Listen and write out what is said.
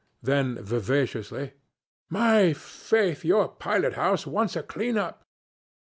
Then vivaciously, 'My faith, your pilot house wants a clean up!'